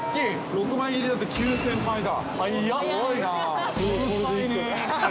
６枚切りだと９０００枚だ。